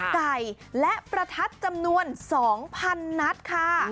ไก่และประทัดจำนวน๒๐๐๐นัดค่ะ